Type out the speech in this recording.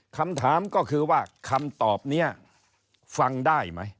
คำถามก็คือว่าคำตอบนี้ฟังได้ไหม